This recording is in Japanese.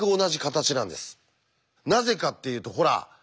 なぜかっていうとほら。